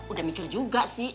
udah mikir juga sih